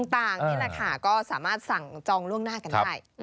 ต่างนี่แหละค่ะก็สามารถสั่งจองล่วงหน้ากันได้